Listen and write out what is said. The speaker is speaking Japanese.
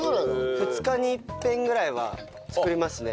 ２日に一遍ぐらいは作りますね。